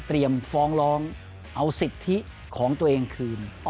ฟ้องร้องเอาสิทธิของตัวเองคืน